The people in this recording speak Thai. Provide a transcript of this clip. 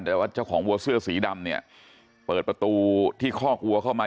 แต่ว่าเจ้าของวัวเสื้อสีดำเนี่ยเปิดประตูที่คอกวัวเข้ามา